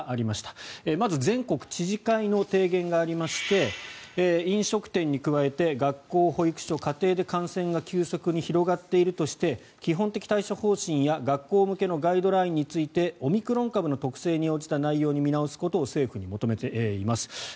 まず全国知事会の提言がありまして飲食店に加えて学校、保育所、家庭で感染が急速に広がっているとして基本的対処方針や学校向けのガイドラインについてオミクロン株の特性に応じた内容に見直すことを政府に求めています。